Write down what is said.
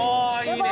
いいね。